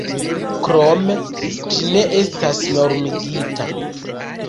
Krome, ĝi ne estas normigita.